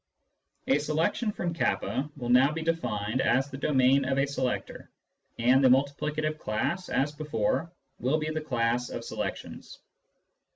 A " selection " from k will now be defined as the domain of a selector ; and the multiplicative class, as before, will be the class of selections.